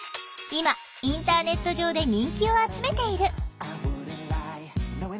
今インターネット上で人気を集めている。